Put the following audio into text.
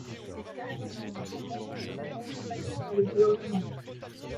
Seuls les retraités sont intentionnellement surtaxés par le Gouvernement.